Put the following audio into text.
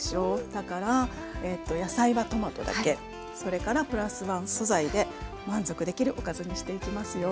だから野菜はトマトだけそれからプラスワン素材で満足できるおかずにしていきますよ。